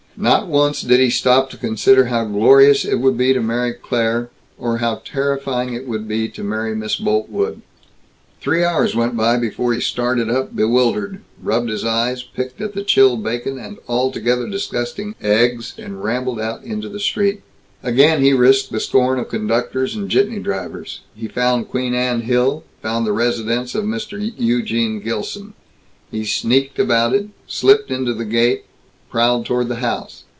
Not once did he stop to consider how glorious it would be to marry Claire or how terrifying it would be to marry Miss Boltwood. Three hours went by before he started up, bewildered, rubbed his eyes, picked at the chill bacon and altogether disgusting eggs, and rambled out into the street. Again he risked the scorn of conductors and jitney drivers. He found Queen Anne Hill, found the residence of Mr. Eugene Gilson. He sneaked about it, slipped into the gate, prowled toward the house.